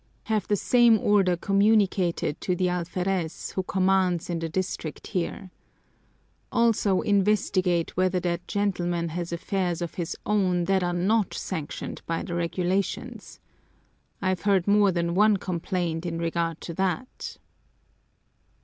"Have the same order communicated to the alferez who commands in the district here. Also, investigate whether that gentleman has affairs of his own that are not sanctioned by the regulations. I've heard more than one complaint in regard to that."